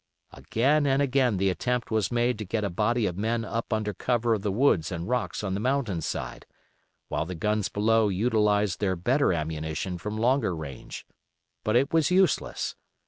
Again and again the attempt was made to get a body of men up under cover of the woods and rocks on the mountain side, while the guns below utilized their better ammunition from longer range; but it was useless.